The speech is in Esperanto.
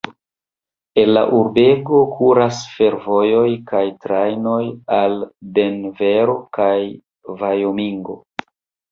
El la urbego kuras ĉefvojoj kaj trajnoj al Denvero kaj Vajomingo.